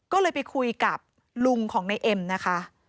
ก็เลยไปคุยกับลุงของในเอ็มนะคะ